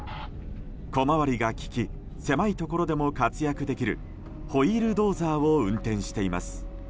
小回りが利き狭いところでも活躍できるホイールドーザーを運転しています。